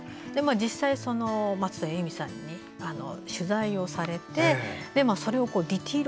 実際、松任谷由実さんに取材をされてそれをディテール